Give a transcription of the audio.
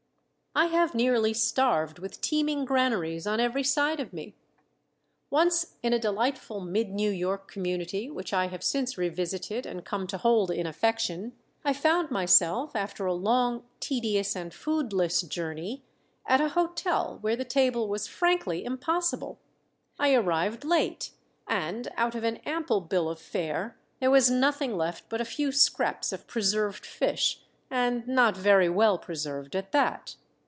I have nearly starved with teeming granaries on every side of me. Once in a delightful mid New York community which I have since revisited and come to hold in affection, I found myself after a long, tedious, and foodless journey at a hotel where the table was frankly impossible. I arrived late, and out of an ample bill of fare there was nothing left but a few scraps of preserved fish, and not very well preserved at that.